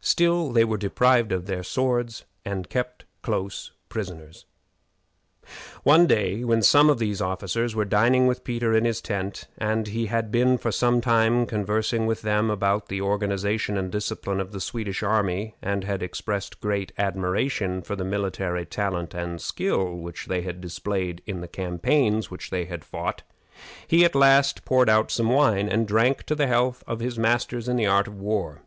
Still, they were deprived of their swords and kept close prisoners. One day, when some of these officers were dining with Peter in his tent, and he had been for some time conversing with them about the organization and discipline of the Swedish army, and had expressed great admiration for the military talent and skill which they had displayed in the campaigns which they had fought, he at last poured out some wine and drank to the health of "his masters in the art of war."